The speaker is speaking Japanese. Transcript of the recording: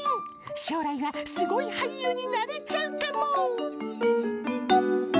将来はすごい俳優になれちゃうかも。